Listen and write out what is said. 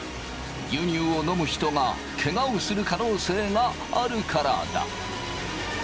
牛乳を飲む人がケガをする可能性があるからだ。